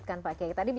terkait apa yang terjadi